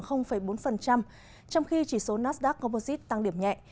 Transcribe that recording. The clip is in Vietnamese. trong khi chỉ số nasdaq composite tăng điểm nhẹ